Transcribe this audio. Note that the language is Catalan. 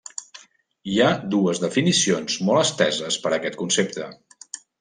Hi ha dues definicions molt esteses per aquest concepte.